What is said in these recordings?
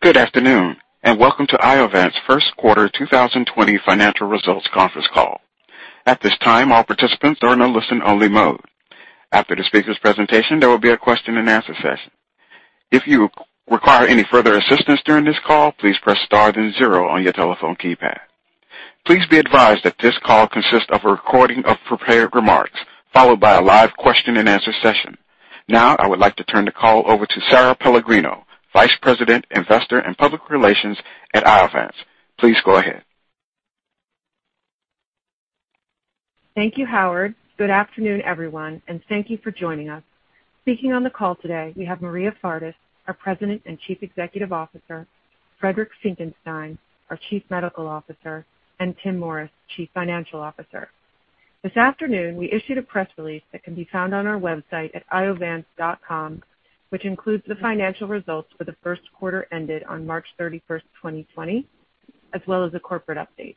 Good afternoon, welcome to Iovance first quarter 2020 financial results conference call. At this time, all participants are in a listen-only mode. After the speaker's presentation, there will be a question and answer session. If you require any further assistance during this call, please press star then zero on your telephone keypad. Please be advised that this call consists of a recording of prepared remarks followed by a live question and answer session. I would like to turn the call over to Sara Pellegrino, Vice President, Investor and Public Relations at Iovance. Please go ahead. Thank you, Howard. Good afternoon, everyone, and thank you for joining us. Speaking on the call today, we have Maria Fardis, our President and Chief Executive Officer, Friedrich Finckenstein, our Chief Medical Officer, and Tim Morris, Chief Financial Officer. This afternoon, we issued a press release that can be found on our website at iovance.com, which includes the financial results for the first quarter ended on March 31st, 2020, as well as a corporate update.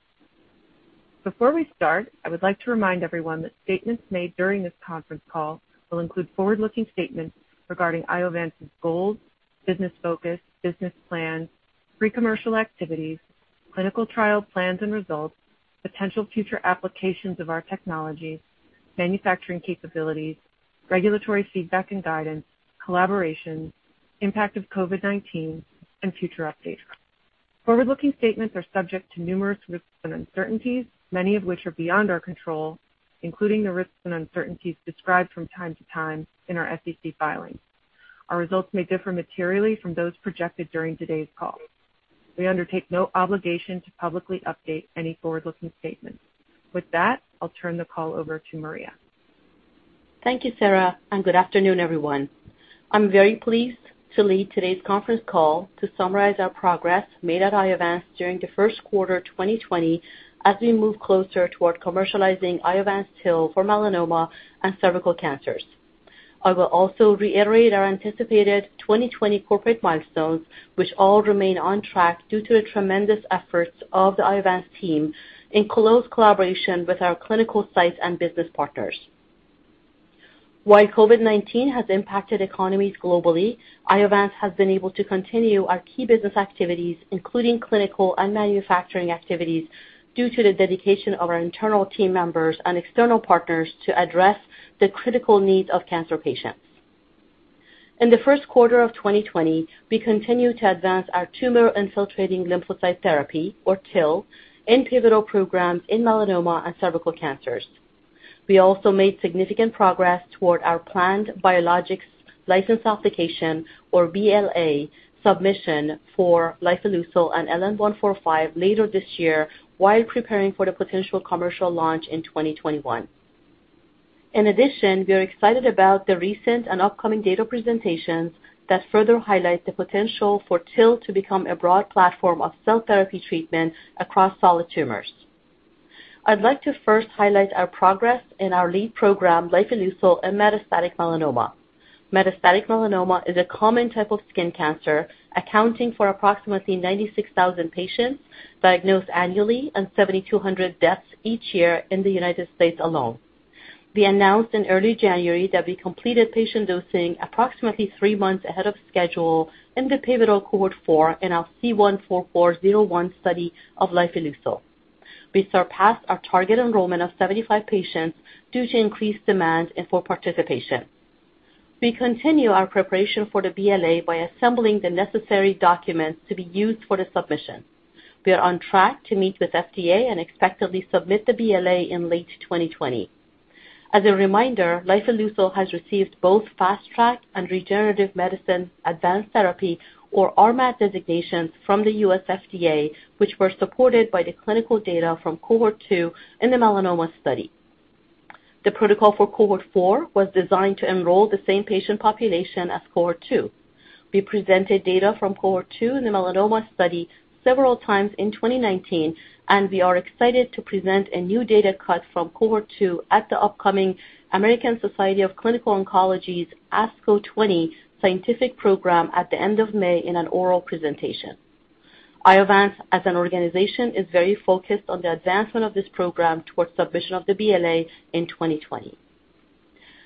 Before we start, I would like to remind everyone that statements made during this conference call will include forward-looking statements regarding Iovance's goals, business focus, business plans, pre-commercial activities, clinical trial plans and results, potential future applications of our technologies, manufacturing capabilities, regulatory feedback and guidance, collaborations, impact of COVID-19, and future updates. Forward-looking statements are subject to numerous risks and uncertainties, many of which are beyond our control, including the risks and uncertainties described from time to time in our SEC filings. Our results may differ materially from those projected during today's call. We undertake no obligation to publicly update any forward-looking statements. With that, I'll turn the call over to Maria. Thank you, Sara, and good afternoon, everyone. I'm very pleased to lead today's conference call to summarize our progress made at Iovance during the first quarter 2020, as we move closer toward commercializing Iovance TIL for melanoma and cervical cancers. I will also reiterate our anticipated 2020 corporate milestones, which all remain on track due to the tremendous efforts of the Iovance team in close collaboration with our clinical sites and business partners. While COVID-19 has impacted economies globally, Iovance has been able to continue our key business activities, including clinical and manufacturing activities, due to the dedication of our internal team members and external partners to address the critical needs of cancer patients. In the first quarter of 2020, we continued to advance our tumor-infiltrating lymphocyte therapy, or TIL, in pivotal programs in melanoma and cervical cancers. We also made significant progress toward our planned Biologics License Application, or BLA, submission for lifileucel and LN-145 later this year while preparing for the potential commercial launch in 2021. We are excited about the recent and upcoming data presentations that further highlight the potential for TIL to become a broad platform of cell therapy treatment across solid tumors. I'd like to first highlight our progress in our lead program, lifileucel in metastatic melanoma. Metastatic melanoma is a common type of skin cancer, accounting for approximately 96,000 patients diagnosed annually and 7,200 deaths each year in the U.S. alone. We announced in early January that we completed patient dosing approximately three months ahead of schedule in the pivotal cohort 4 in our C-144-01 study of lifileucel. We surpassed our target enrollment of 75 patients due to increased demand for participation. We continue our preparation for the BLA by assembling the necessary documents to be used for the submission. We are on track to meet with FDA and expect to submit the BLA in late 2020. As a reminder, lifileucel has received both Fast Track and Regenerative Medicine Advanced Therapy, or RMAT designations from the US FDA, which were supported by the clinical data from cohort 2 in the melanoma study. The protocol for cohort 4 was designed to enroll the same patient population as cohort 2. We presented data from cohort 2 in the melanoma study several times in 2019, and we are excited to present a new data cut from cohort 2 at the upcoming American Society of Clinical Oncology's ASCO 20 scientific program at the end of May in an oral presentation. Iovance, as an organization, is very focused on the advancement of this program towards submission of the BLA in 2020.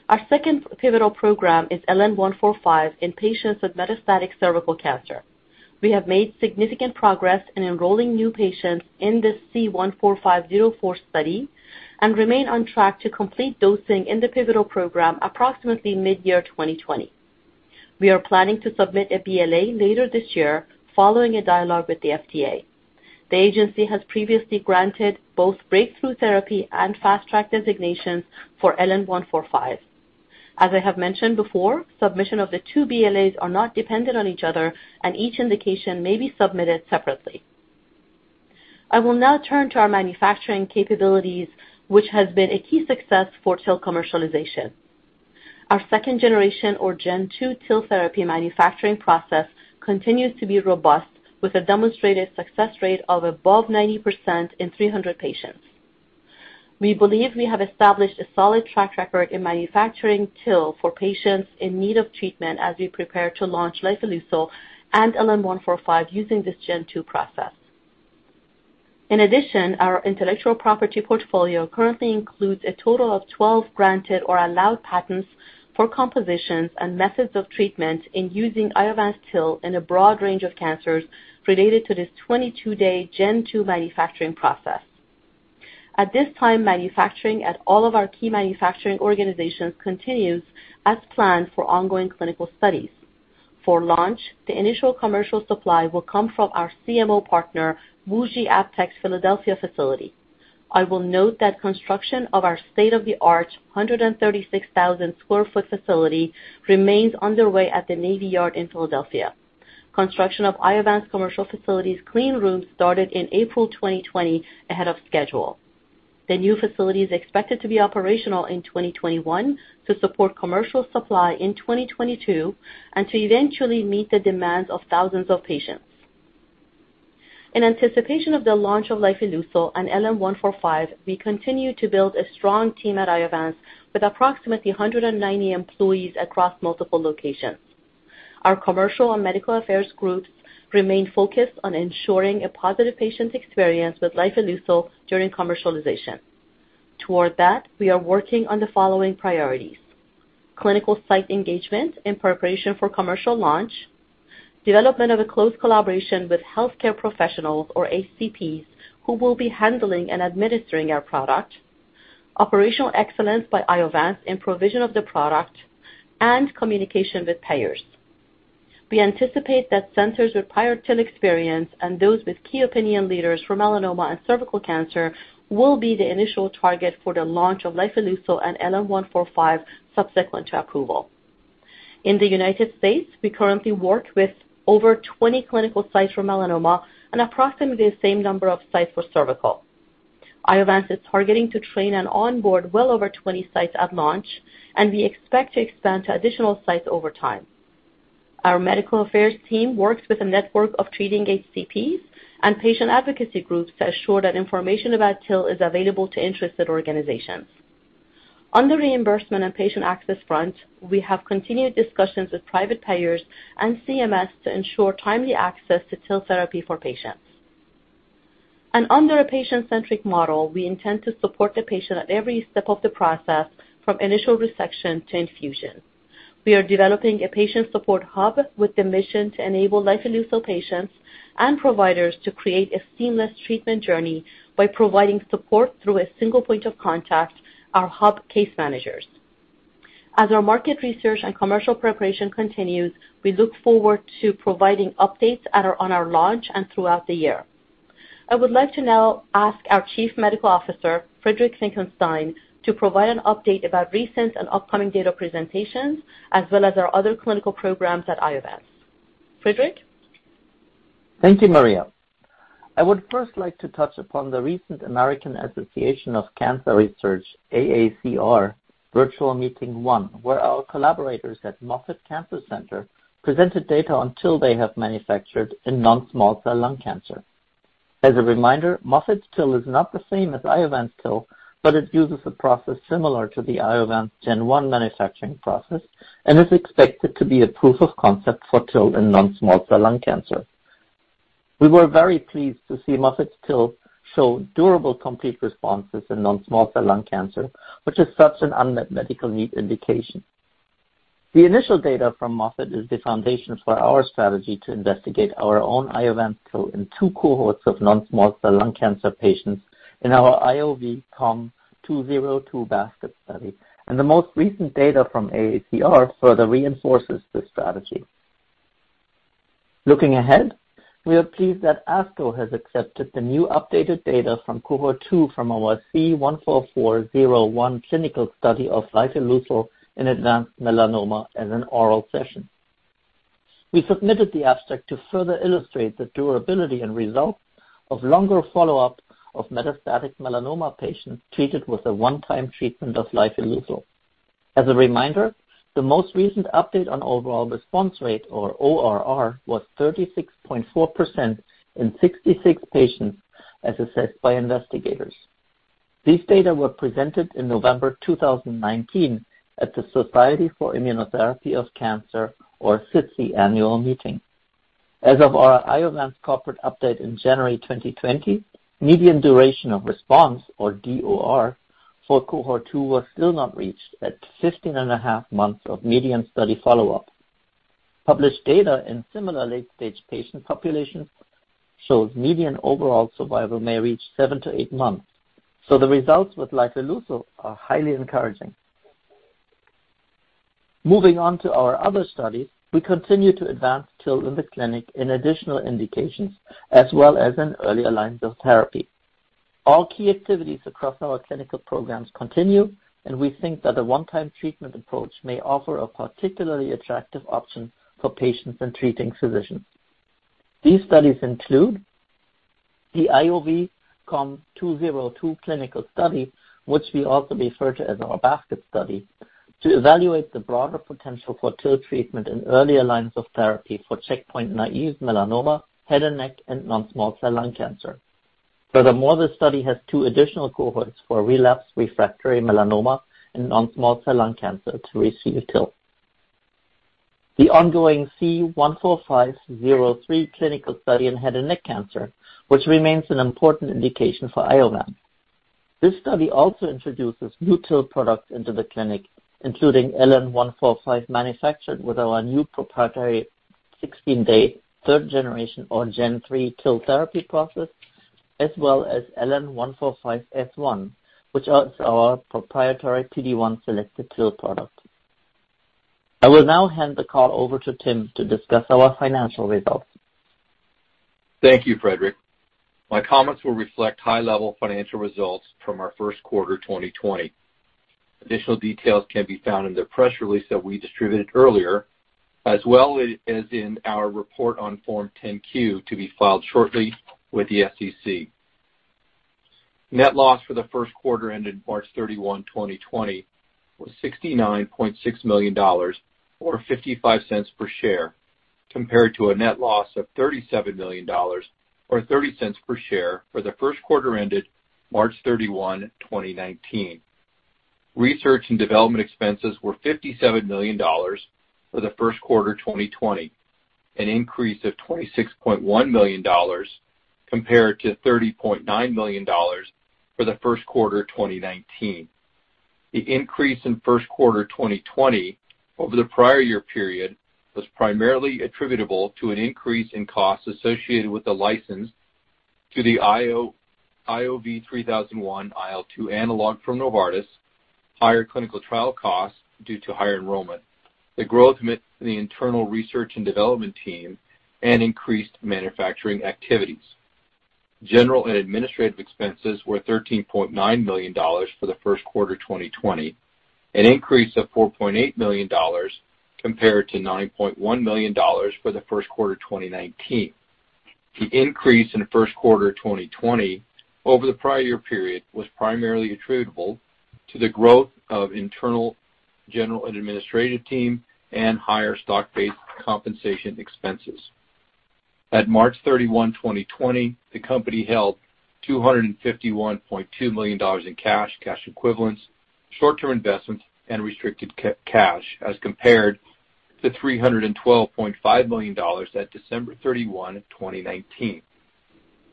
Our second pivotal program is LN-145 in patients with metastatic cervical cancer. We have made significant progress in enrolling new patients in this C-145-04 study and remain on track to complete dosing in the pivotal program approximately mid-year 2020. We are planning to submit a BLA later this year following a dialogue with the FDA. The agency has previously granted both breakthrough therapy and Fast Track designations for LN-145. As I have mentioned before, submission of the two BLAs are not dependent on each other, and each indication may be submitted separately. I will now turn to our manufacturing capabilities, which has been a key success for TIL commercialization. Our second generation or Gen 2 TIL therapy manufacturing process continues to be robust with a demonstrated success rate of above 90% in 300 patients. We believe we have established a solid track record in manufacturing TIL for patients in need of treatment as we prepare to launch lifileucel and LN-145 using this Gen 2 process. In addition, our intellectual property portfolio currently includes a total of 12 granted or allowed patents for compositions and methods of treatment in using Iovance TIL in a broad range of cancers related to this 22-day Gen 2 manufacturing process. At this time, manufacturing at all of our key manufacturing organizations continues as planned for ongoing clinical studies. For launch, the initial commercial supply will come from our CMO partner, WuXi AppTec's Philadelphia facility. I will note that construction of our state-of-the-art 136,000 sq ft facility remains underway at the Navy Yard in Philadelphia. Construction of Iovance commercial facility's clean room started in April 2020 ahead of schedule. The new facility is expected to be operational in 2021 to support commercial supply in 2022 and to eventually meet the demands of thousands of patients. In anticipation of the launch of lifileucel and LN-145, we continue to build a strong team at Iovance with approximately 190 employees across multiple locations. Our commercial and medical affairs groups remain focused on ensuring a positive patient experience with lifileucel during commercialization. Toward that, we are working on the following priorities: clinical site engagement in preparation for commercial launch, development of a close collaboration with healthcare professionals, or HCPs, who will be handling and administering our product, operational excellence by Iovance in provision of the product, and communication with payers. We anticipate that centers with prior TIL experience and those with key opinion leaders for melanoma and cervical cancer will be the initial target for the launch of lifileucel and LN-145 subsequent to approval. In the U.S., we currently work with over 20 clinical sites for melanoma and approximately the same number of sites for cervical. Iovance is targeting to train and onboard well over 20 sites at launch. We expect to expand to additional sites over time. Our medical affairs team works with a network of treating HCPs and patient advocacy groups to ensure that information about TIL is available to interested organizations. On the reimbursement and patient access front, we have continued discussions with private payers and CMS to ensure timely access to TIL therapy for patients. Under a patient-centric model, we intend to support the patient at every step of the process, from initial resection to infusion. We are developing a patient support hub with the mission to enable lifileucel patients and providers to create a seamless treatment journey by providing support through a single point of contact, our hub case managers. As our market research and commercial preparation continues, we look forward to providing updates on our launch and throughout the year. I would like to now ask our Chief Medical Officer, Friedrich Finckenstein, to provide an update about recent and upcoming data presentations as well as our other clinical programs at Iovance. Friederich? Thank you, Maria. I would first like to touch upon the recent American Association for Cancer Research, AACR, Virtual Meeting 1, where our collaborators at Moffitt Cancer Center presented data on TIL they have manufactured in non-small cell lung cancer. As a reminder, Moffitt's TIL is not the same as Iovance TIL, but it uses a process similar to the Iovance Gen 1 manufacturing process and is expected to be a proof of concept for TIL in non-small cell lung cancer. We were very pleased to see Moffitt's TIL show durable complete responses in non-small cell lung cancer, which is such an unmet medical need indication. The initial data from Moffitt is the foundation for our strategy to investigate our own Iovance TIL in two cohorts of non-small cell lung cancer patients in our IOV-COM-202 Basket Study, and the most recent data from AACR further reinforces this strategy. Looking ahead, we are pleased that ASCO has accepted the new updated data from cohort 2 from our C-144-01 clinical study of lifileucel in advanced melanoma as an oral session. We submitted the abstract to further illustrate the durability and results of longer follow-up of metastatic melanoma patients treated with a one-time treatment of lifileucel. As a reminder, the most recent update on overall response rate, or ORR, was 36.4% in 66 patients as assessed by investigators. These data were presented in November 2019 at the Society for Immunotherapy of Cancer, or SITC, Annual Meeting. As of our Iovance corporate update in January 2020, median duration of response, or DOR, for cohort 2 was still not reached at 15.5 months of median study follow-up. Published data in similar late-stage patient populations shows median overall survival may reach seven to eight months, so the results with lifileucel are highly encouraging. Moving on to our other studies, we continue to advance TIL in the clinic in additional indications as well as in earlier lines of therapy. All key activities across our clinical programs continue, and we think that a one-time treatment approach may offer a particularly attractive option for patients and treating physicians. These studies include the IOV-COM-202 clinical study, which we also refer to as our Basket Study, to evaluate the broader potential for TIL treatment in earlier lines of therapy for checkpoint-naïve melanoma, head and neck, and non-small cell lung cancer. Furthermore, the study has two additional cohorts for relapsed refractory melanoma and non-small cell lung cancer to receive TIL The ongoing C-145-03 clinical study in head and neck cancer, which remains an important indication for Iovance. This study also introduces new TIL products into the clinic, including LN-145, manufactured with our new proprietary 16-day third generation, or Gen 3, TIL therapy process, as well as LN-145-S1, which is our proprietary PD-1 selected TIL product. I will now hand the call over to Tim to discuss our financial results. Thank you, Friedrich. My comments will reflect high-level financial results from our first quarter 2020. Additional details can be found in the press release that we distributed earlier, as well as in our report on Form 10-Q to be filed shortly with the SEC. Net loss for the first quarter ended March 31, 2020, was $69.6 million, or $0.55 per share, compared to a net loss of $37 million or $0.30 per share for the first quarter ended March 31, 2019. Research and development expenses were $57 million for the first quarter 2020, an increase of $26.1 million compared to $30.9 million for the first quarter of 2019. The increase in first quarter 2020 over the prior year period was primarily attributable to an increase in costs associated with the license to the IOV-3001 IL-2 analog from Novartis, higher clinical trial costs due to higher enrollment, the growth of the internal research and development team, and increased manufacturing activities. General and administrative expenses were $13.9 million for the first quarter 2020, an increase of $4.8 million compared to $9.1 million for the first quarter of 2019. The increase in the first quarter 2020 over the prior year period was primarily attributable to the growth of internal general and administrative team and higher stock-based compensation expenses. At March 31, 2020, the company held $251.2 million in cash equivalents, short-term investments, and restricted cash as compared to $312.5 million at December 31, 2019.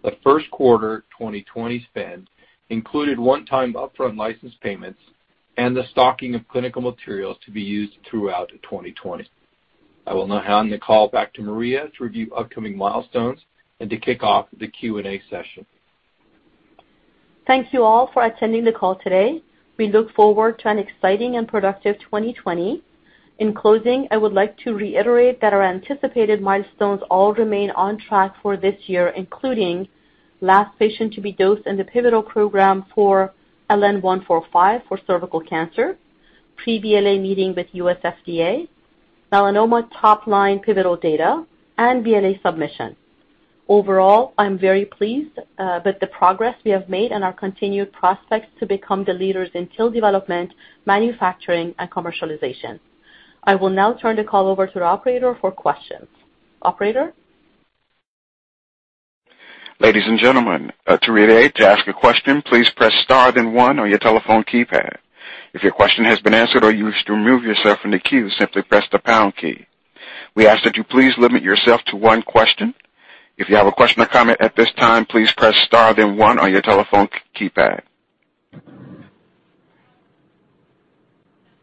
The first quarter 2020 spend included one-time upfront license payments and the stocking of clinical materials to be used throughout 2020. I will now hand the call back to Maria to review upcoming milestones and to kick off the Q&A session. Thank you all for attending the call today. We look forward to an exciting and productive 2020. In closing, I would like to reiterate that our anticipated milestones all remain on track for this year, including last patient to be dosed in the pivotal program for LN-145 for cervical cancer, pre-BLA meeting with US FDA, melanoma top-line pivotal data, and BLA submission. Overall, I'm very pleased with the progress we have made and our continued prospects to become the leaders in TIL development, manufacturing, and commercialization. I will now turn the call over to the operator for questions. Operator? Ladies and gentlemen, to reiterate, to ask a question, please press star then one on your telephone keypad. If your question has been answered or you wish to remove yourself from the queue, simply press the pound key. We ask that you please limit yourself to one question. If you have a question or comment at this time, please press star then one on your telephone keypad.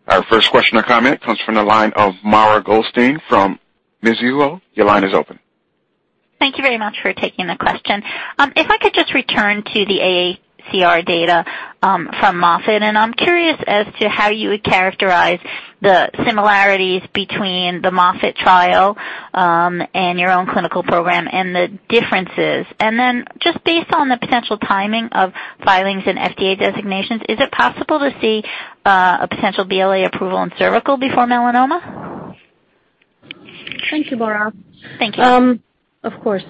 Our first question or comment comes from the line of Mara Goldstein from Mizuho. Your line is open. Thank you very much for taking the question. If I could just return to the AACR data from Moffitt, and I'm curious as to how you would characterize the similarities between the Moffitt trial and your own clinical program and the differences. Just based on the potential timing of filings and FDA designations, is it possible to see a potential BLA approval in cervical before melanoma? Thank you, Mara. Thank you. Of course.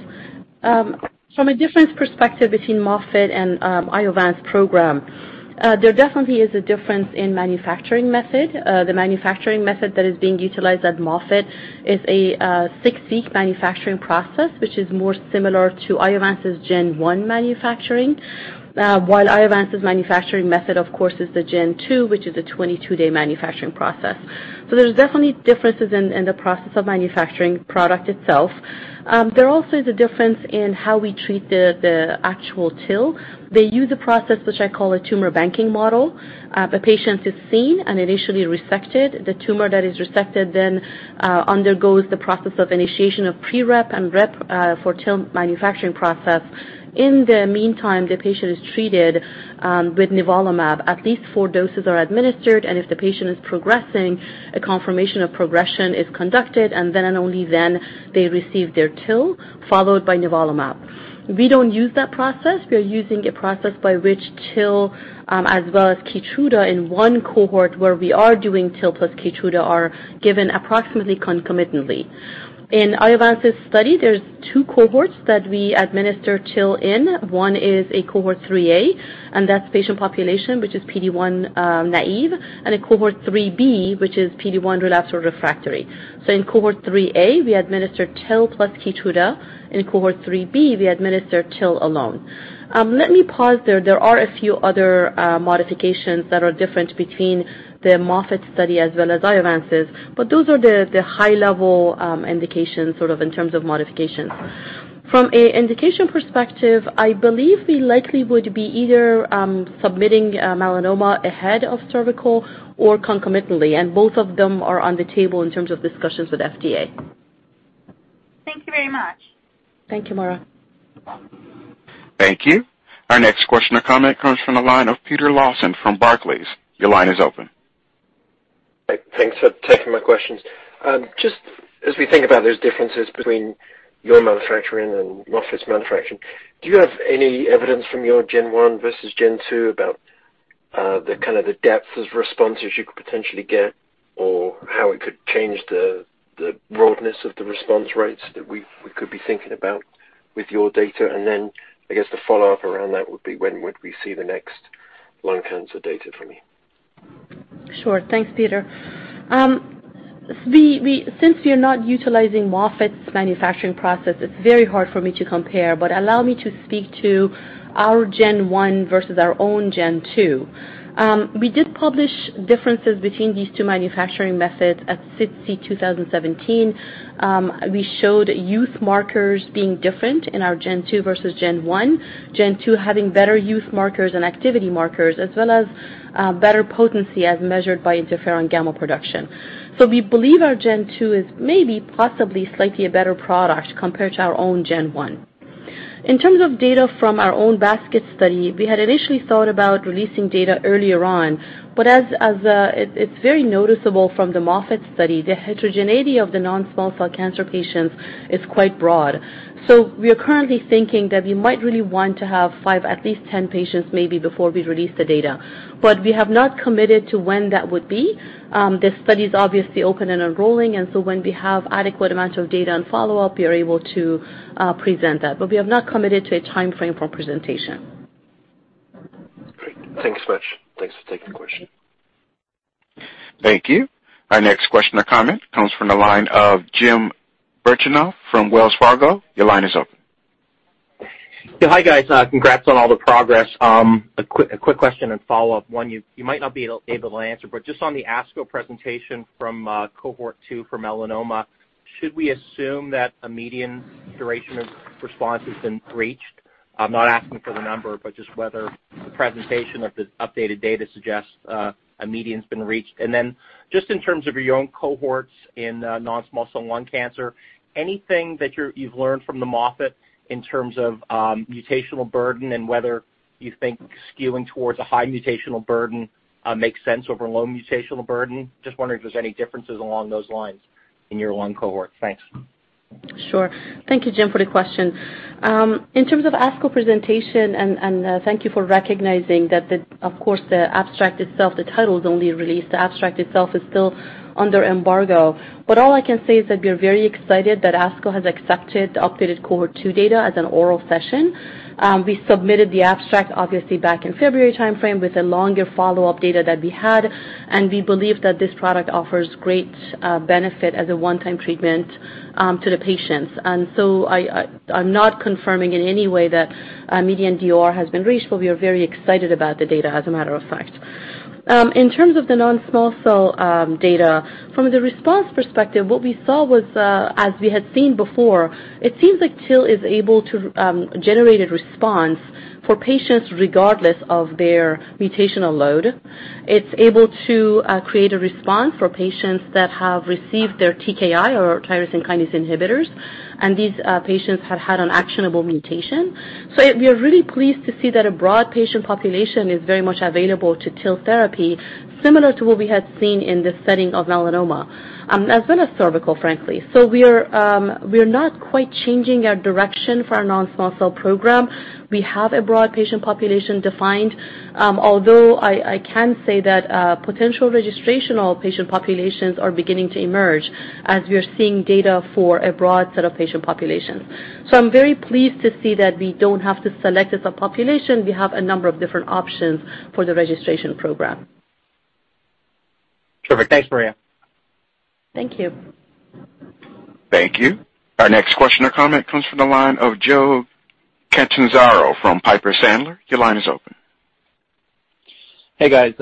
From a difference perspective between Moffitt and Iovance program, there definitely is a difference in manufacturing method. The manufacturing method that is being utilized at Moffitt is a six-week manufacturing process, which is more similar to Iovance's Gen 1 manufacturing. Iovance's manufacturing method, of course, is the Gen 2, which is a 22-day manufacturing process. There's definitely differences in the process of manufacturing product itself. There also is a difference in how we treat the actual TIL. They use a process which I call a tumor banking model. The patient is seen and initially resected. The tumor that is resected then undergoes the process of initiation of pre-REP and rep for TIL manufacturing process. In the meantime, the patient is treated with nivolumab. At least four doses are administered, and if the patient is progressing, a confirmation of progression is conducted, and then and only then they receive their TIL, followed by nivolumab. We don't use that process. We are using a process by which TIL as well as KEYTRUDA in one cohort where we are doing TIL plus KEYTRUDA are given approximately concomitantly. In Iovance's study, there's 2 cohorts that we administer TIL in. One is a cohort 3A, and that's patient population, which is PD-1 naive, and a cohort 3B, which is PD-1 relapsed or refractory. In cohort 3A, we administer TIL plus KEYTRUDA. In cohort 3B, we administer TIL alone. Let me pause there. There are a few other modifications that are different between the Moffitt study as well as Iovance's. Those are the high-level indications sort of in terms of modifications. From an indication perspective, I believe we likely would be either submitting melanoma ahead of cervical or concomitantly, and both of them are on the table in terms of discussions with FDA. Thank you very much. Thank you, Mara. Thank you. Our next question or comment comes from the line of Peter Lawson from Barclays. Your line is open. Hey, thanks for taking my questions. Just as we think about those differences between your manufacturing and Moffitt's manufacturing, do you have any evidence from your Gen 1 versus Gen 2 about the kind of the depth of responses you could potentially get or how it could change the broadness of the response rates that we could be thinking about with your data? Then I guess the follow-up around that would be when would we see the next lung cancer data from you? Sure. Thanks, Peter. Since we are not utilizing Moffitt's manufacturing process, it's very hard for me to compare, but allow me to speak to our Gen 1 versus our own Gen 2. We did publish differences between these two manufacturing methods at SITC 2017. We showed youth markers being different in our Gen 2 versus Gen 1, Gen 2 having better youth markers and activity markers, as well as better potency as measured by interferon gamma production. We believe our Gen 2 is maybe possibly slightly a better product compared to our own Gen 1. In terms of data from our own Basket Study, we had initially thought about releasing data earlier on, but as it's very noticeable from the Moffitt study, the heterogeneity of the non-small cell cancer patients is quite broad. We are currently thinking that we might really want to have five, at least 10 patients maybe before we release the data. We have not committed to when that would be. The study's obviously open and enrolling, and so when we have adequate amount of data and follow-up, we are able to present that. We have not committed to a timeframe for presentation. Great. Thanks much. Thanks for taking the question. Thank you. Our next question or comment comes from the line of Jim Birchenough from Wells Fargo. Your line is open. Yeah. Hi, guys. Congrats on all the progress. A quick question and follow-up. One you might not be able to answer, but just on the ASCO presentation from cohort 2 for melanoma, should we assume that a median duration of response has been reached? I'm not asking for the number, but just whether the presentation of the updated data suggests a median's been reached. Just in terms of your own cohorts in non-small cell lung cancer, anything that you've learned from the Moffitt in terms of mutational burden and whether you think skewing towards a high mutational burden makes sense over low mutational burden? Just wondering if there's any differences along those lines in your lung cohort. Thanks. Sure. Thank you, Jim, for the question. In terms of ASCO presentation, and thank you for recognizing that of course, the abstract itself, the title is only released. The abstract itself is still under embargo, but all I can say is that we're very excited that ASCO has accepted the updated cohort 2 data as an oral session. We submitted the abstract, obviously back in February timeframe with a longer follow-up data that we had, and we believe that this product offers great benefit as a one-time treatment to the patients. I'm not confirming in any way that a median DOR has been reached, but we are very excited about the data as a matter of fact. In terms of the non-small cell data, from the response perspective, what we saw was, as we had seen before, it seems like TIL is able to generate a response for patients regardless of their mutational load. It's able to create a response for patients that have received their TKI or tyrosine kinase inhibitors, and these patients have had an actionable mutation. We are really pleased to see that a broad patient population is very much available to TIL therapy similar to what we had seen in the setting of melanoma, as well as cervical, frankly. We are not quite changing our direction for our non-small cell program. We have a broad patient population defined, although I can say that potential registrational patient populations are beginning to emerge as we are seeing data for a broad set of patient populations. I'm very pleased to see that we don't have to select a subpopulation. We have a number of different options for the registration program. Terrific. Thanks, Maria. Thank you. Thank you. Our next question or comment comes from the line of Joe Catanzaro from Piper Sandler. Your line is open. Hey, guys.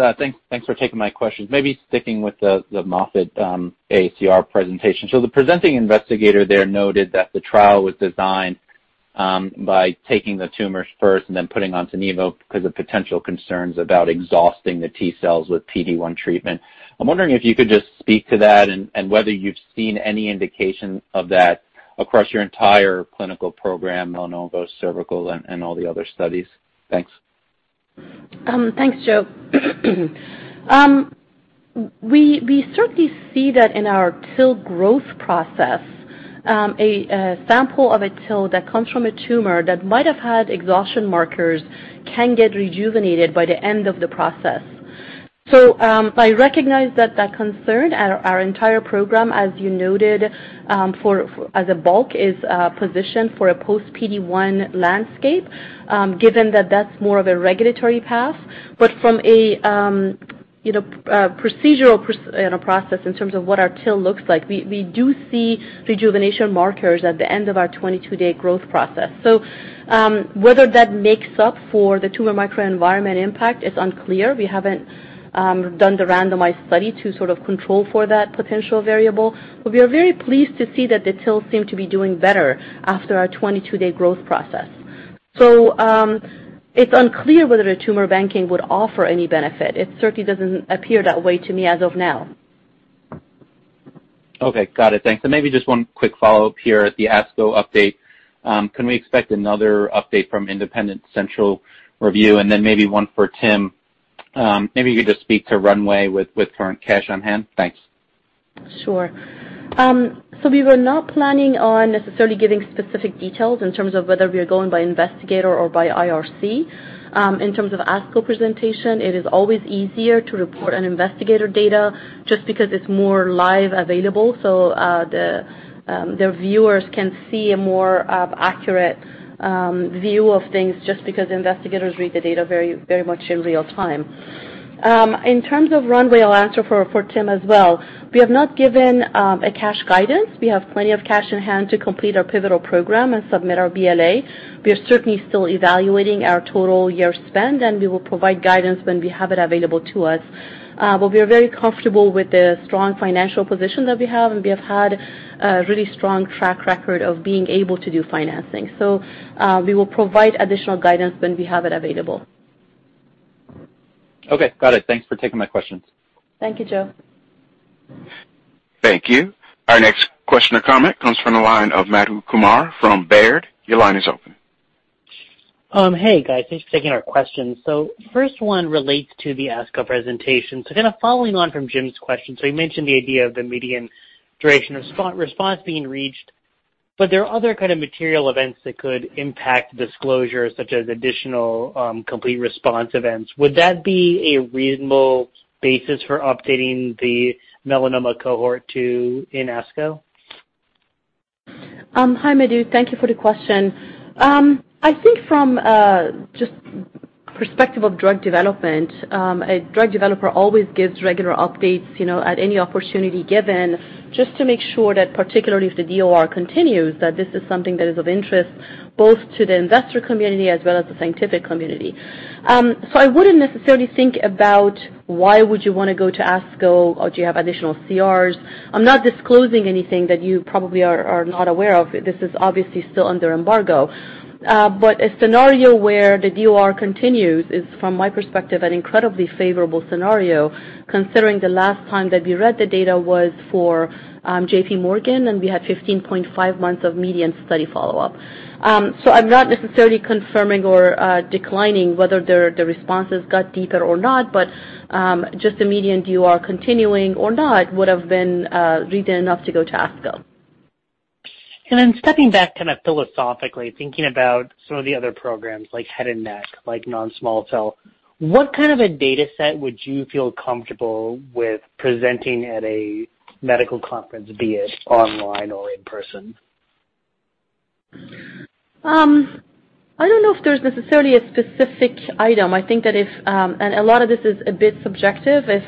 Thanks for taking my questions. Maybe sticking with the Moffitt AACR presentation. The presenting investigator there noted that the trial was designed by taking the tumors first and then putting on nivo because of potential concerns about exhausting the T-cells with PD-1 treatment. I'm wondering if you could just speak to that and whether you've seen any indication of that across your entire clinical program, melanoma, cervical, and all the other studies. Thanks. Thanks, Joe. We certainly see that in our TIL growth process, a sample of a TIL that comes from a tumor that might have had exhaustion markers can get rejuvenated by the end of the process. I recognize that concern. Our entire program, as you noted, as a bulk, is positioned for a post PD-1 landscape given that that's more of a regulatory path. From a procedural process in terms of what our TIL looks like, we do see rejuvenation markers at the end of our 22-day growth process. Whether that makes up for the tumor microenvironment impact is unclear. We haven't done the randomized study to sort of control for that potential variable, we are very pleased to see that the TILs seem to be doing better after our 22-day growth process. It's unclear whether a tumor banking would offer any benefit. It certainly doesn't appear that way to me as of now. Okay. Got it. Thanks. Maybe just one quick follow-up here at the ASCO update. Can we expect another update from independent central review? Maybe one for Tim, maybe you could just speak to runway with current cash on hand. Thanks. Sure. We were not planning on necessarily giving specific details in terms of whether we are going by investigator or by IRC. In terms of ASCO presentation, it is always easier to report an investigator data just because it's more live available, so the viewers can see a more accurate view of things just because investigators read the data very much in real time. In terms of runway, I'll answer for Tim as well. We have not given a cash guidance. We have plenty of cash in hand to complete our pivotal program and submit our BLA. We are certainly still evaluating our total year spend, and we will provide guidance when we have it available to us. We are very comfortable with the strong financial position that we have, and we have had a really strong track record of being able to do financing. We will provide additional guidance when we have it available. Okay. Got it. Thanks for taking my questions. Thank you, Joe. Thank you. Our next question or comment comes from the line of Madhu Kumar from Baird. Your line is open. Hey, guys. Thanks for taking our questions. First one relates to the ASCO presentation. Following on from Jim's question, you mentioned the idea of the median duration response being reached, but there are other kind of material events that could impact disclosure, such as additional complete response events. Would that be a reasonable basis for updating the melanoma cohort to in ASCO? Hi, Madhu. Thank you for the question. I think from just perspective of drug development, a drug developer always gives regular updates at any opportunity given, just to make sure that particularly if the DOR continues, that this is something that is of interest both to the investor community as well as the scientific community. I wouldn't necessarily think about why would you want to go to ASCO or do you have additional CRs. I'm not disclosing anything that you probably are not aware of. This is obviously still under embargo. A scenario where the DOR continues is, from my perspective, an incredibly favorable scenario considering the last time that we read the data was for JPMorgan, and we had 15.5 months of median study follow-up. I'm not necessarily confirming or declining whether the responses got deeper or not, but just the median DOR continuing or not would have been reason enough to go to ASCO. Stepping back kind of philosophically, thinking about some of the other programs like head and neck, like non-small cell, what kind of a data set would you feel comfortable with presenting at a medical conference, be it online or in person? I don't know if there's necessarily a specific item. I think that if, and a lot of this is a bit subjective, if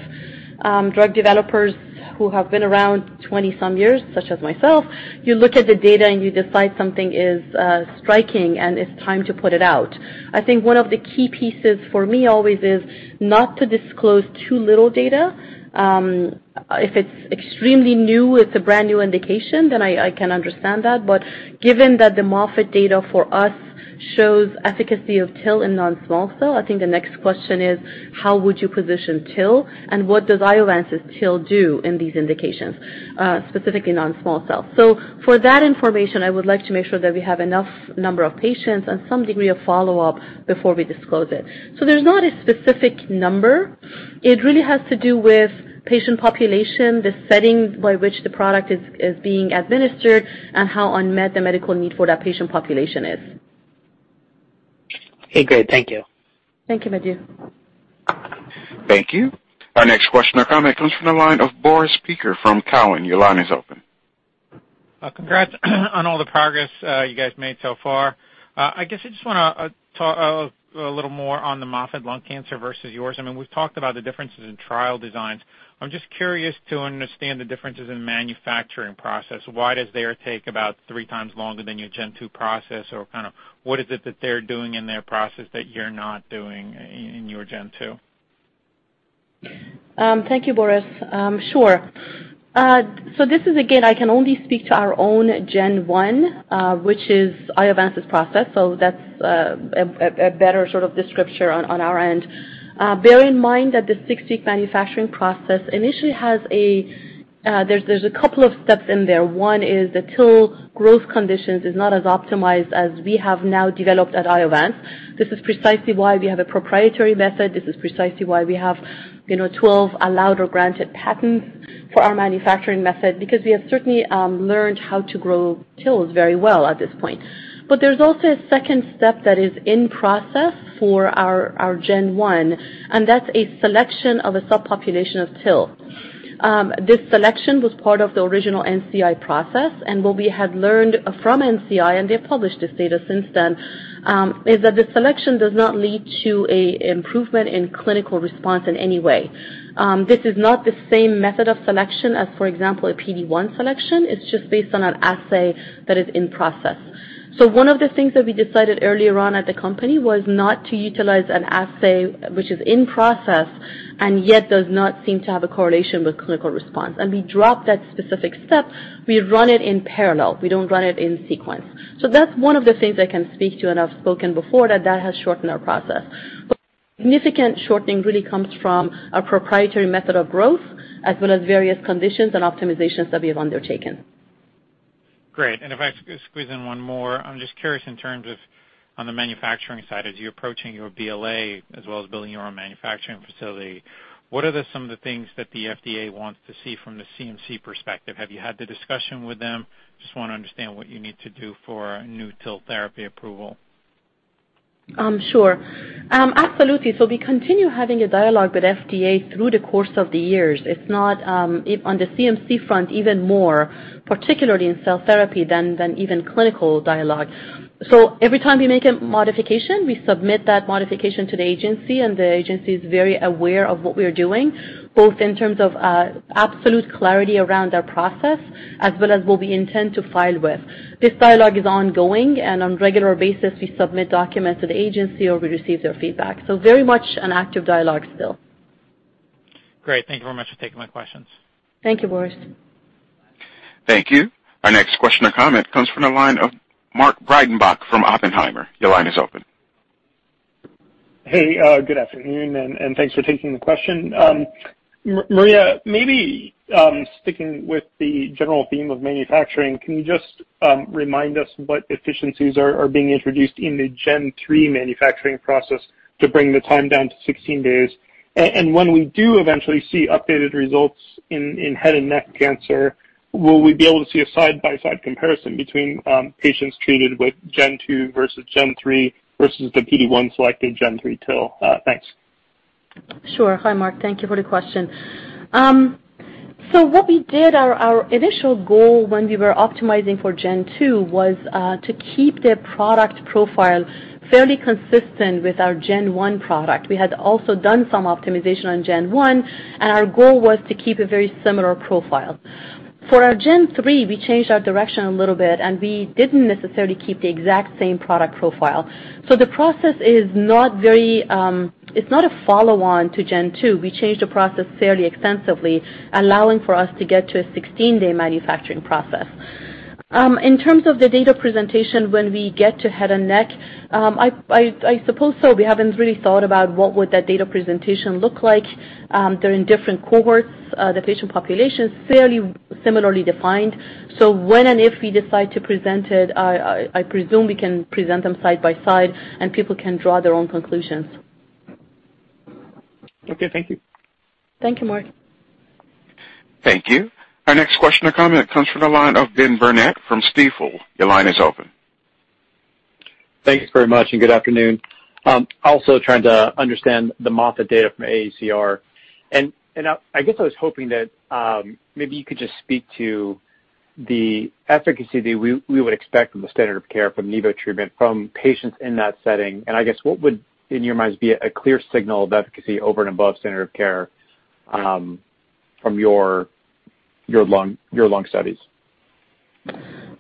drug developers who have been around 20 some years, such as myself, you look at the data and you decide something is striking and it's time to put it out. I think one of the key pieces for me always is not to disclose too little data. If it's extremely new, it's a brand-new indication, then I can understand that. Given that the Moffitt data for us shows efficacy of TIL in non-small cell, I think the next question is: how would you position TIL and what does Iovance's TIL do in these indications, specifically non-small cell? For that information, I would like to make sure that we have enough number of patients and some degree of follow-up before we disclose it. There's not a specific number. It really has to do with patient population, the setting by which the product is being administered, and how unmet the medical need for that patient population is. Okay, great. Thank you. Thank you, Madhu. Thank you. Our next question or comment comes from the line of Boris Peaker from Cowen. Your line is open. Congrats on all the progress you guys made so far. I guess I just want to talk a little more on the Moffitt lung cancer versus yours. I mean, we've talked about the differences in trial designs. I'm just curious to understand the differences in manufacturing process. Why does their take about three times longer than your Gen 2 process or kind of what is it that they're doing in their process that you're not doing in your Gen 2? Thank you, Boris. Sure. This is again, I can only speak to our own Gen 1, which is Iovance's process, so that's a better sort of description on our end. Bear in mind that the six-week manufacturing process initially has a couple of steps in there. One is the TIL growth conditions is not as optimized as we have now developed at Iovance. This is precisely why we have a proprietary method. This is precisely why we have 12 allowed or granted patents for our manufacturing method because we have certainly learned how to grow TILs very well at this point. There's also a second step that is in process for our Gen 1, and that's a selection of a subpopulation of TIL. This selection was part of the original NCI process, and what we had learned from NCI, and they've published this data since then, is that the selection does not lead to an improvement in clinical response in any way. This is not the same method of selection as, for example, a PD-1 selection. It's just based on an assay that is in process. One of the things that we decided earlier on at the company was not to utilize an assay which is in process and yet does not seem to have a correlation with clinical response. We dropped that specific step. We run it in parallel. We don't run it in sequence. That's one of the things I can speak to, and I've spoken before that that has shortened our process. Significant shortening really comes from a proprietary method of growth, as well as various conditions and optimizations that we have undertaken. Great. If I could squeeze in one more, I'm just curious in terms of on the manufacturing side, as you're approaching your BLA as well as building your own manufacturing facility, what are some of the things that the FDA wants to see from the CMC perspective? Have you had the discussion with them? Just want to understand what you need to do for a new TIL therapy approval. Sure. Absolutely. We continue having a dialogue with FDA through the course of the years. On the CMC front, even more, particularly in cell therapy than even clinical dialogue. Every time we make a modification, we submit that modification to the agency, and the agency is very aware of what we are doing, both in terms of absolute clarity around our process as well as what we intend to file with. This dialogue is ongoing, and on regular basis, we submit documents to the agency or we receive their feedback. Very much an active dialogue still. Great. Thank you very much for taking my questions. Thank you, Boris. Thank you. Our next question or comment comes from the line of Mark Breidenbach from Oppenheimer. Your line is open. Hey, good afternoon, and thanks for taking the question. Maria, maybe sticking with the general theme of manufacturing, can you just remind us what efficiencies are being introduced in the Gen 3 manufacturing process to bring the time down to 16 days? When we do eventually see updated results in head and neck cancer, will we be able to see a side-by-side comparison between patients treated with Gen 2 versus Gen 3 versus the PD-1 selected Gen 3 TIL? Thanks. Sure. Hi, Mark. Thank you for the question. What we did, our initial goal when we were optimizing for Gen 2 was to keep the product profile fairly consistent with our Gen 1 product. We had also done some optimization on Gen 1, our goal was to keep a very similar profile. For our Gen 3, we changed our direction a little bit, we didn't necessarily keep the exact same product profile. The process is not a follow-on to Gen 2. We changed the process fairly extensively, allowing for us to get to a 16-day manufacturing process. In terms of the data presentation when we get to head and neck, I suppose so. We haven't really thought about what would that data presentation look like. They're in different cohorts. The patient population is fairly similarly defined. When and if we decide to present it, I presume we can present them side by side, and people can draw their own conclusions. Okay. Thank you. Thank you, Mark. Thank you. Our next question or comment comes from the line of Ben Burnett from Stifel. Your line is open. Thanks very much, and good afternoon. Also trying to understand the Moffitt data from AACR. I guess I was hoping that maybe you could just speak to the efficacy that we would expect from the standard of care from nivo treatment from patients in that setting. I guess what would, in your minds, be a clear signal of efficacy over and above standard of care from your lung studies?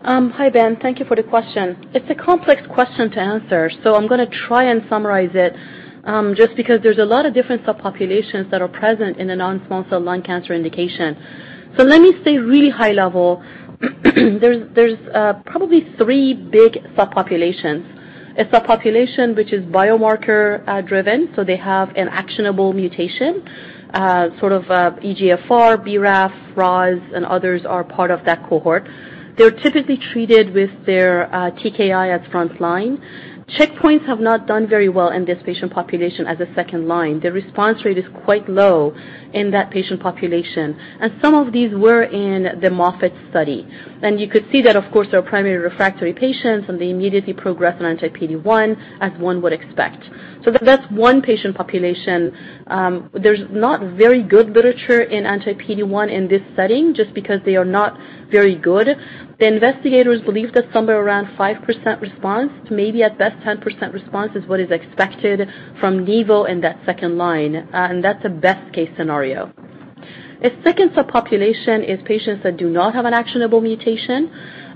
Hi, Ben. Thank you for the question. It's a complex question to answer, so I'm going to try and summarize it, just because there's a lot of different subpopulations that are present in the non-small cell lung cancer indication. Let me stay really high level. There's probably three big subpopulations. A subpopulation which is biomarker driven, so they have an actionable mutation, sort of EGFR, BRAF, ROS1, and others are part of that cohort. They're typically treated with their TKI as front line. Checkpoints have not done very well in this patient population as a second line. The response rate is quite low in that patient population. Some of these were in the Moffitt study. You could see that, of course, they are primary refractory patients, and they immediately progress on anti-PD-1, as one would expect. That's one patient population. There's not very good literature in anti-PD-1 in this setting, just because they are not very good. The investigators believe that somewhere around 5% response to maybe at best 10% response is what is expected from nivo in that second line, and that's a best case scenario. A second subpopulation is patients that do not have an actionable mutation,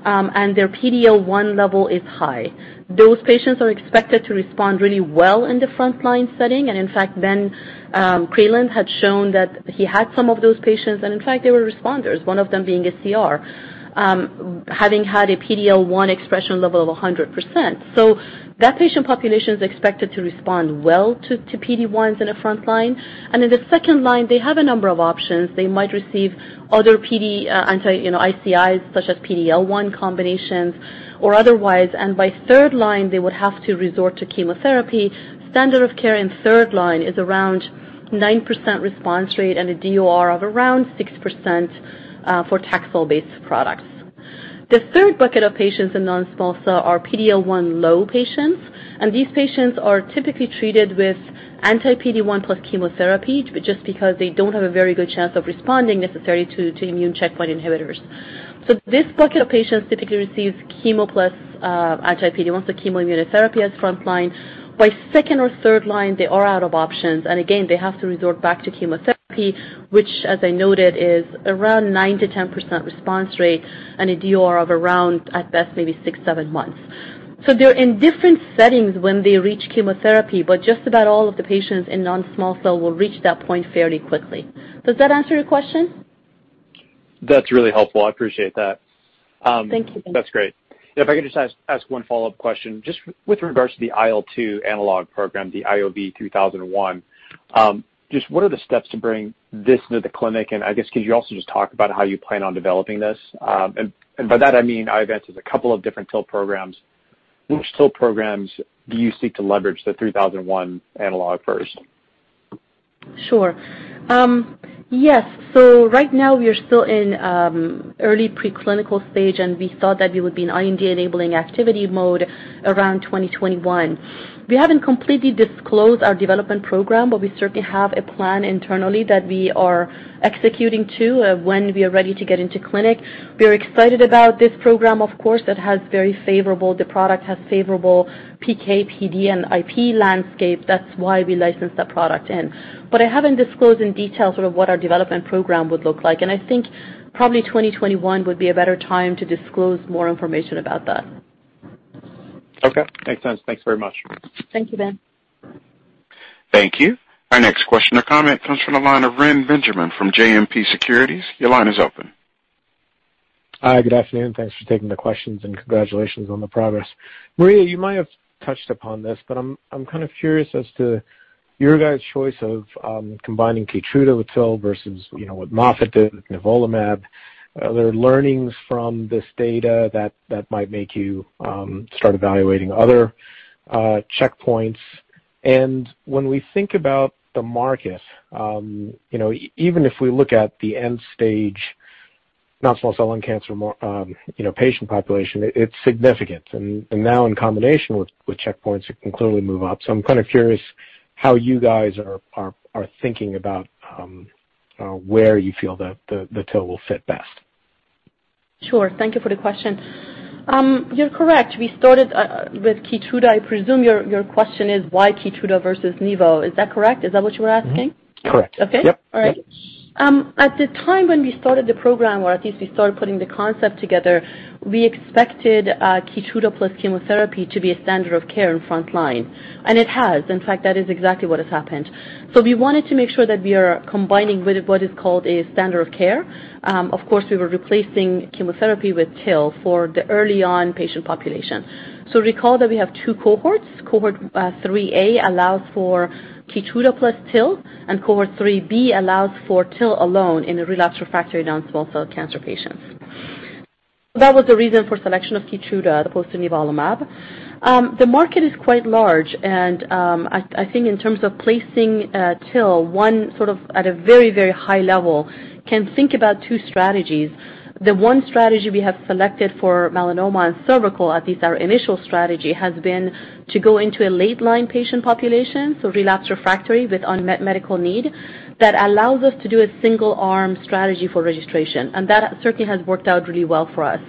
and their PD-L1 level is high. Those patients are expected to respond really well in the front-line setting, and in fact, Ben Creelan had shown that he had some of those patients, and in fact, they were responders, one of them being a CR, having had a PD-L1 expression level of 100%. That patient population is expected to respond well to PD-1s in a front-line. In the second line, they have a number of options. They might receive other ICIs such as PD-L1 combinations or otherwise. By third line, they would have to resort to chemotherapy. Standard of care in third line is around 9% response rate and a DOR of around 6% for TAXOL-based products. The third bucket of patients in non-small cell are PD-L1 low patients, and these patients are typically treated with anti-PD-1 plus chemotherapy, just because they don't have a very good chance of responding necessarily to immune checkpoint inhibitors. This bucket of patients typically receives chemo plus anti-PD-1, so chemoimmunotherapy as front line. By second or third line, they are out of options, and again, they have to resort back to chemotherapy, which, as I noted, is around 9%-10% response rate and a DOR of around, at best, maybe six, seven months. They're in different settings when they reach chemotherapy, but just about all of the patients in non-small cell will reach that point fairly quickly. Does that answer your question? That's really helpful. I appreciate that. Thank you. That's great. If I could just ask one follow-up question, just with regards to the IL-2 analog program, the IOV-3001, just what are the steps to bring this to the clinic? I guess, could you also just talk about how you plan on developing this? By that I mean, Iovance has a couple of different TIL programs. Which TIL programs do you seek to leverage the 3001 analog first? Sure. Yes. Right now, we are still in early preclinical stage, and we thought that we would be in IND-enabling activity mode around 2021. We haven't completely disclosed our development program, we certainly have a plan internally that we are executing to when we are ready to get into clinic. We are excited about this program, of course, the product has favorable PK/PD and IP landscape. That's why we licensed that product in. I haven't disclosed in detail sort of what our development program would look like, and I think probably 2021 would be a better time to disclose more information about that. Okay. Makes sense. Thanks very much. Thank you, Ben. Thank you. Our next question or comment comes from the line of Ren Benjamin from JMP Securities. Your line is open. Hi. Good afternoon. Thanks for taking the questions and congratulations on the progress. Maria, you might have touched upon this, but I'm kind of curious as to your guys' choice of combining KEYTRUDA with TIL versus what Moffitt did with nivolumab. Are there learnings from this data that might make you start evaluating other checkpoints? When we think about the market, even if we look at the end stage non-small cell lung cancer patient population, it's significant. Now in combination with checkpoints, it can clearly move up. I'm kind of curious how you guys are thinking about where you feel that the TIL will fit best. Sure. Thank you for the question. You're correct. We started with KEYTRUDA. I presume your question is why KEYTRUDA versus nivo. Is that correct? Is that what you were asking? Mm-hmm. Correct. Okay. Yep. All right. At the time when we started the program, or at least we started putting the concept together, we expected KEYTRUDA plus chemotherapy to be a standard of care in frontline. It has. In fact, that is exactly what has happened. We wanted to make sure that we are combining with what is called a standard of care. Of course, we were replacing chemotherapy with TIL for the early-on patient population. Recall that we have 2 cohorts. cohort 3A allows for KEYTRUDA plus TIL, and cohort 3B allows for TIL alone in a relapsed/refractory non-small cell cancer patient. That was the reason for selection of KEYTRUDA opposed to nivolumab. The market is quite large, and I think in terms of placing TIL, one sort of at a very, very high level can think about two strategies. The one strategy we have selected for melanoma and cervical, at least our initial strategy, has been to go into a late-line patient population, so relapsed/refractory with unmet medical need that allows us to do a single-arm strategy for registration. That certainly has worked out really well for us.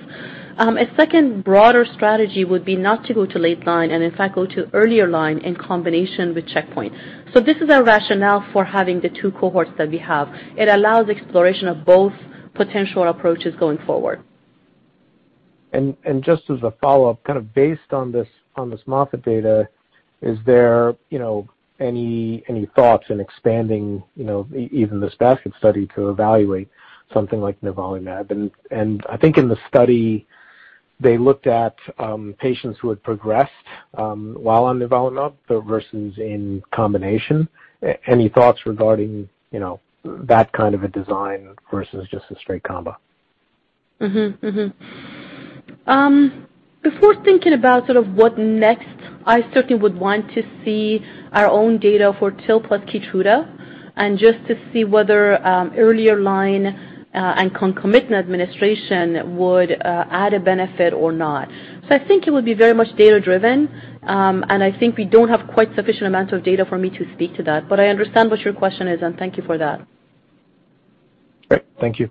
A second broader strategy would be not to go to late-line and, in fact, go to earlier line in combination with checkpoint. This is our rationale for having the two cohorts that we have. It allows exploration of both potential approaches going forward. Just as a follow-up, kind of based on this Moffitt data, is there any thoughts in expanding even the Basket Study to evaluate something like nivolumab? I think in the study, they looked at patients who had progressed while on nivolumab but versus in combination. Any thoughts regarding that kind of a design versus just a straight combo? Before thinking about sort of what next, I certainly would want to see our own data for TIL plus KEYTRUDA and just to see whether earlier line and concomitant administration would add a benefit or not. I think it would be very much data-driven, and I think we don't have quite sufficient amount of data for me to speak to that, but I understand what your question is, and thank you for that. Great. Thank you.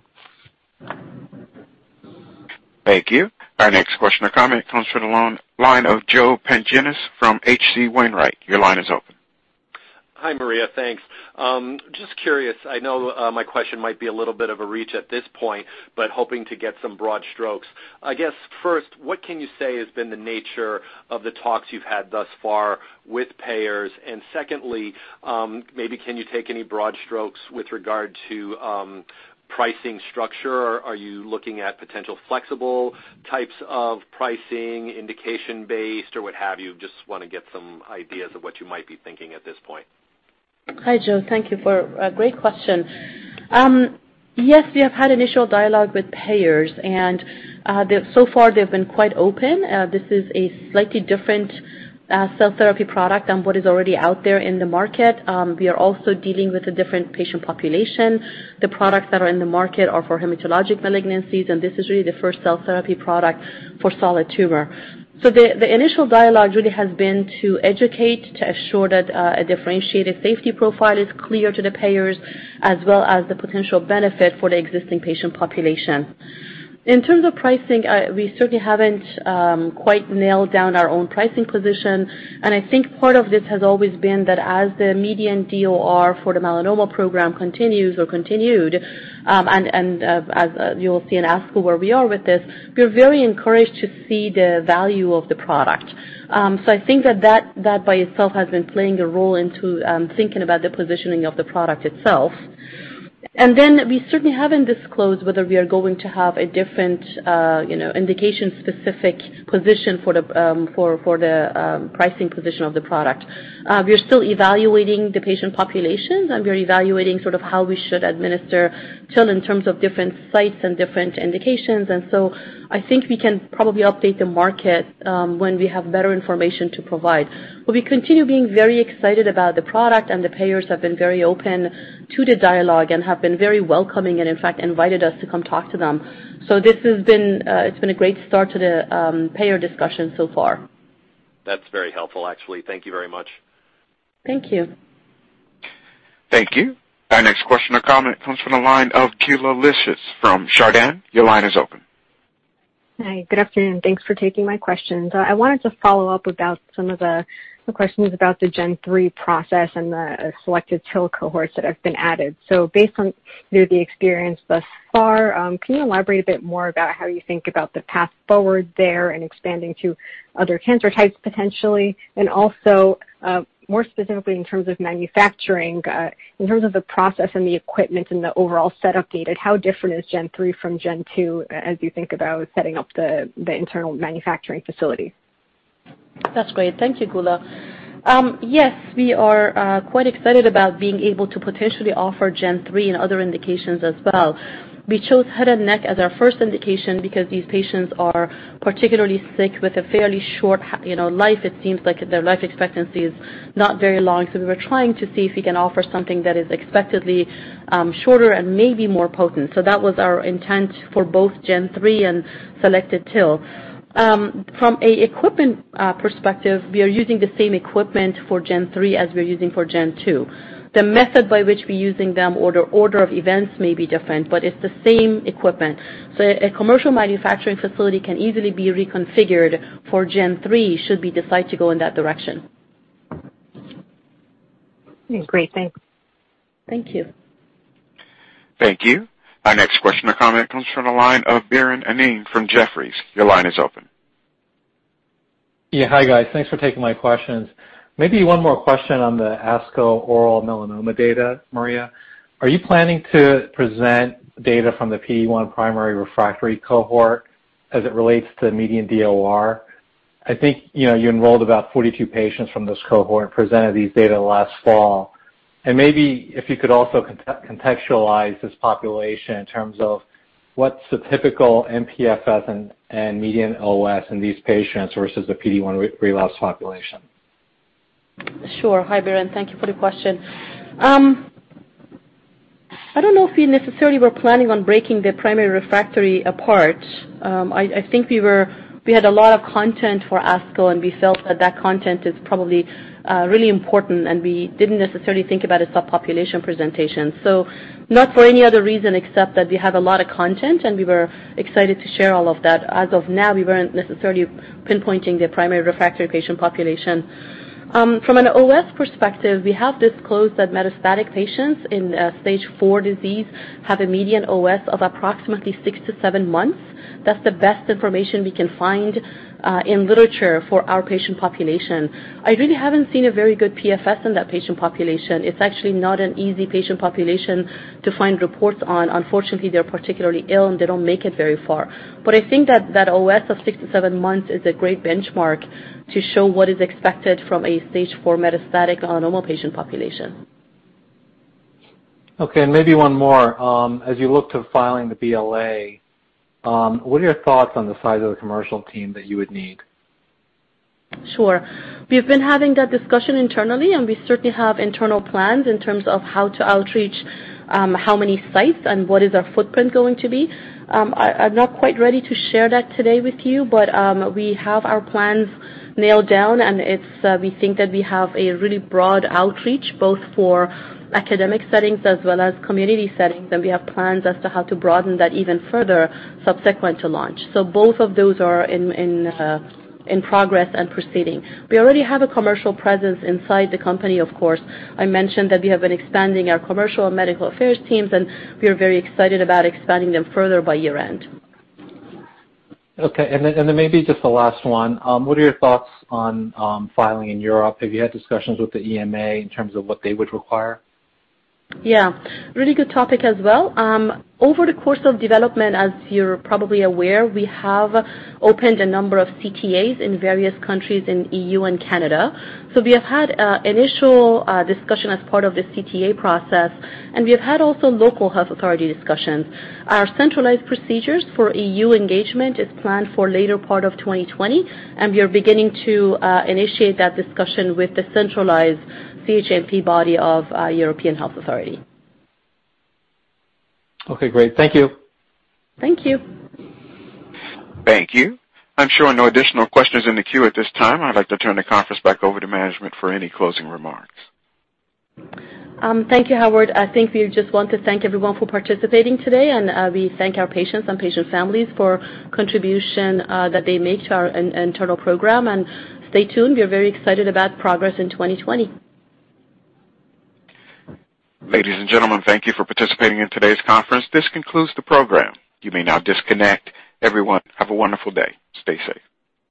Thank you. Our next question or comment comes from the line of Joe Pantginis from H.C. Wainwright. Your line is open. Hi, Maria. Thanks. Just curious, I know my question might be a little bit of a reach at this point, but hoping to get some broad strokes. I guess first, what can you say has been the nature of the talks you've had thus far with payers? Secondly, maybe can you take any broad strokes with regard to pricing structure? Are you looking at potential flexible types of pricing, indication-based or what have you? Just want to get some ideas of what you might be thinking at this point. Hi, Joe. Thank you for a great question. Yes, we have had initial dialogue with payers, and so far they've been quite open. This is a slightly different cell therapy product than what is already out there in the market. We are also dealing with a different patient population. The products that are in the market are for hematologic malignancies, and this is really the first cell therapy product for solid tumor. The initial dialogue really has been to educate, to assure that a differentiated safety profile is clear to the payers as well as the potential benefit for the existing patient population. In terms of pricing, we certainly haven't quite nailed down our own pricing position. I think part of this has always been that as the median DOR for the melanoma program continues or continued, as you will see in ASCO where we are with this, we're very encouraged to see the value of the product. I think that by itself has been playing a role into thinking about the positioning of the product itself. We certainly haven't disclosed whether we are going to have a different indication-specific position for the pricing position of the product. We're still evaluating the patient populations, and we're evaluating how we should administer TIL in terms of different sites and different indications. I think we can probably update the market when we have better information to provide. We continue being very excited about the product, and the payers have been very open to the dialogue and have been very welcoming and, in fact, invited us to come talk to them. This has been a great start to the payer discussion so far. That's very helpful, actually. Thank you very much. Thank you. Thank you. Our next question or comment comes from the line of Geulah Livshits from Chardan. Your line is open. Hi. Good afternoon. Thanks for taking my questions. I wanted to follow up about some of the questions about the Gen 3 process and the selected TIL cohorts that have been added. Based on the experience thus far, can you elaborate a bit more about how you think about the path forward there and expanding to other cancer types potentially? More specifically in terms of manufacturing, in terms of the process and the equipment and the overall setup data, how different is Gen 3 from Gen 2, as you think about setting up the internal manufacturing facility? That's great. Thank you, Geulah. Yes, we are quite excited about being able to potentially offer Gen 3 and other indications as well. We chose head and neck as our first indication because these patients are particularly sick with a fairly short life. It seems like their life expectancy is not very long. We were trying to see if we can offer something that is expectedly shorter and maybe more potent. That was our intent for both Gen 3 and selected TIL. From an equipment perspective, we are using the same equipment for Gen 3 as we're using for Gen 2. The method by which we're using them or the order of events may be different, but it's the same equipment. A commercial manufacturing facility can easily be reconfigured for Gen 3 should we decide to go in that direction. Great. Thanks. Thank you. Thank you. Our next question or comment comes from the line of Biren Amin from Jefferies. Your line is open. Yeah. Hi, guys. Thanks for taking my questions. One more question on the ASCO oral melanoma data, Maria. Are you planning to present data from the PD-1 primary refractory cohort as it relates to median DOR? I think you enrolled about 42 patients from this cohort and presented these data last fall. If you could also contextualize this population in terms of what's the typical mPFS and median OS in these patients versus the PD-1 relapse population. Sure. Hi, Biren, thank you for the question. I don't know if we necessarily were planning on breaking the primary refractory apart. I think we had a lot of content for ASCO, and we felt that that content is probably really important, and we didn't necessarily think about a subpopulation presentation. Not for any other reason except that we have a lot of content, and we were excited to share all of that. As of now, we weren't necessarily pinpointing the primary refractory patient population. From an OS perspective, we have disclosed that metastatic patients in Stage 4 disease have a median OS of approximately six to seven months. That's the best information we can find in literature for our patient population. I really haven't seen a very good PFS in that patient population. It's actually not an easy patient population to find reports on. Unfortunately, they're particularly ill, and they don't make it very far. I think that OS of six to seven months is a great benchmark to show what is expected from a Stage 4 metastatic melanoma patient population. Okay, maybe one more. As you look to filing the BLA, what are your thoughts on the size of the commercial team that you would need? Sure. We've been having that discussion internally, and we certainly have internal plans in terms of how to outreach, how many sites, and what is our footprint going to be. I'm not quite ready to share that today with you, but we have our plans nailed down, and we think that we have a really broad outreach, both for academic settings as well as community settings, and we have plans as to how to broaden that even further subsequent to launch. Both of those are in progress and proceeding. We already have a commercial presence inside the company, of course. I mentioned that we have been expanding our commercial and medical affairs teams, and we are very excited about expanding them further by year-end. Okay, maybe just the last one. What are your thoughts on filing in Europe? Have you had discussions with the EMA in terms of what they would require? Really good topic as well. Over the course of development, as you're probably aware, we have opened a number of CTAs in various countries in EU and Canada. We have had initial discussion as part of the CTA process, and we have had also local health authority discussions. Our centralized procedures for EU engagement is planned for later part of 2020, and we are beginning to initiate that discussion with the centralized CHMP body of European Medicines Agency. Okay, great. Thank you. Thank you. Thank you. I'm showing no additional questions in the queue at this time. I'd like to turn the conference back over to management for any closing remarks. Thank you, Howard. I think we just want to thank everyone for participating today, and we thank our patients and patient families for contribution that they make to our internal program, and stay tuned. We are very excited about progress in 2020. Ladies and gentlemen, thank you for participating in today's conference. This concludes the program. You may now disconnect. Everyone, have a wonderful day. Stay safe.